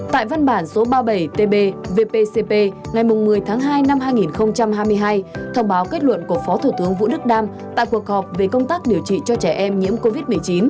tại văn bản số ba mươi bảy tb vpcp ngày một mươi tháng hai năm hai nghìn hai mươi hai thông báo kết luận của phó thủ tướng vũ đức đam tại cuộc họp về công tác điều trị cho trẻ em nhiễm covid một mươi chín